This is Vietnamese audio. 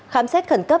khám xét khẩn cấp